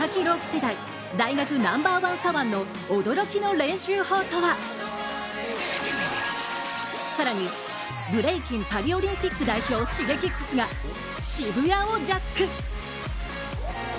世代、大学ナンバーワン左腕の驚きの練習法とは更にブレイキン、パリオリンピック代表Ｓｈｉｇｅｋｉｘが渋谷をジャック。